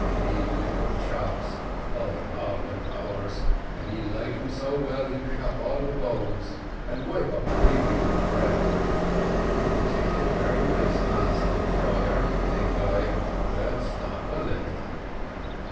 He lick um chops, by all de powers, and he like um so well he pick all de bones, and wipe up gravy with him bread. You tink it very nice, Massa Friar, tink I; but stop a little.